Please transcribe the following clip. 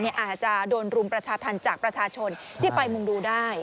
อาจจะโดนรุมประชาธรรมจากประชาชนที่ไปมุ่งดูได้